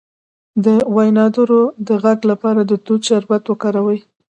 د وینادرو د غږ لپاره د توت شربت وکاروئ